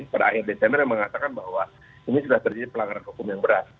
pada akhir desember yang mengatakan bahwa ini sudah terjadi pelanggaran hukum yang berat